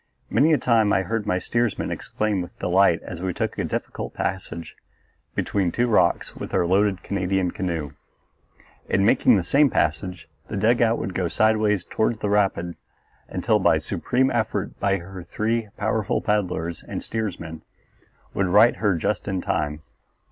Many a time I heard my steersman exclaim with delight as we took a difficult passage between two rocks with our loaded Canadian canoe. In making the same passage the dugout would go sideways toward the rapid until by a supreme effort her three powerful paddlers and steersman would right her just in time.